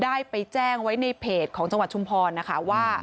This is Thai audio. ได้ไปแจ้งไว้ในเพจของจังหวัดชุมพรนะคะว่า